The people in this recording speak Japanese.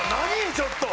ちょっと。